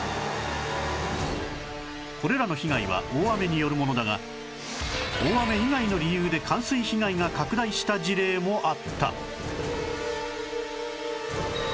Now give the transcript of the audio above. これらの被害は大雨によるものだが大雨以外の理由で冠水被害が拡大した事例もあった